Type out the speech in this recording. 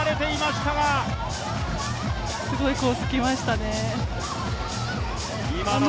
すごいコースきましたね。